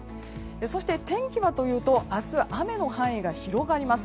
そして、天気はというと明日、雨の範囲が広がります。